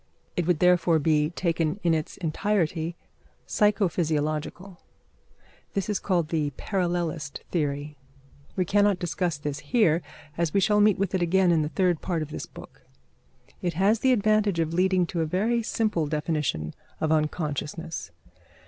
It would therefore be, taken in its entirety, psycho physiological. This is called the parallelist theory. We cannot discuss this here, as we shall meet with it again in the third part of this book. It has the advantage of leading to a very simple definition of unconsciousness.